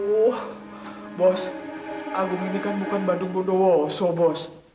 oh bos agung ini kan bukan bandung godowoso bos